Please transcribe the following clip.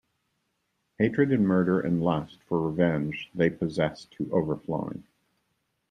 Hatred and murder and lust for revenge they possessed to overflowing.